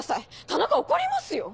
田中怒りますよ！